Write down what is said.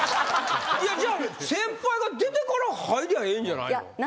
じゃあ先輩が出てから入りゃええんじゃないの？